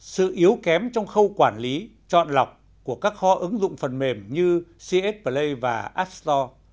sự yếu kém trong khâu quản lý chọn lọc của các kho ứng dụng phần mềm như cs play và app store